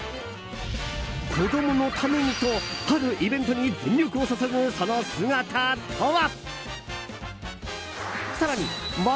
子供のためにと、あるイベントに全力を注ぐその姿とは。